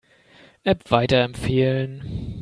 App weiterempfehlen.